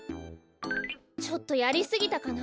ちょっとやりすぎたかな？